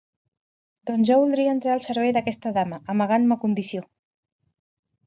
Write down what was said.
Doncs jo voldria entrar al servei d’aquesta dama, amagant ma condició.